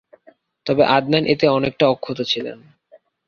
তবে আদনান এতে অনেকটা অক্ষত ছিলেন।